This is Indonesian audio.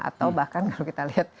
atau bahkan kalau kita lihat